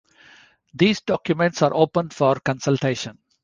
These documents are open for consultation.